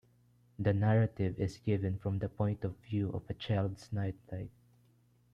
The narrative is given from the point of view of a child's nightlight.